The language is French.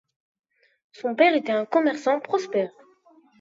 Son père était un commerçant prospère.